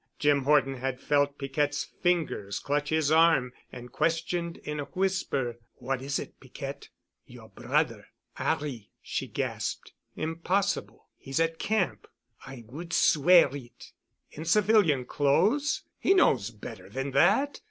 Jim Horton had felt Piquette's fingers clutch his arm and questioned in a whisper. "What is it, Piquette?" "Your broder—'Arry," she gasped. "Impossible. He's at camp——" "I would swear it——" "In civilian clothes? He knows better than that."